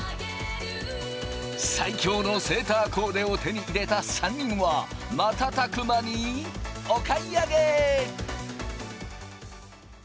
最強のセーターコーデを手に入れた３人はまたたく間にお買い上げ！